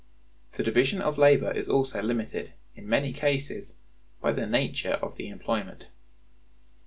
The division of labor is also limited, in many cases, by the nature of the employment.